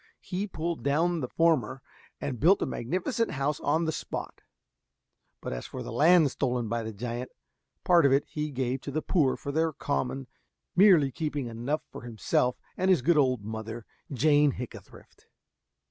He pulled down the former, and built a magnificent house on the spot; but as for the land stolen by the giant, part of it he gave to the poor for their common, merely keeping enough for himself and his good old mother, Jane Hickathrift.